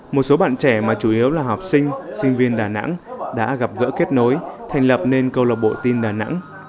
một số bạn trẻ mà chủ yếu là học sinh sinh viên đà nẵng đã gặp gỡ kết nối thành lập nên câu lạc bộ tin đà nẵng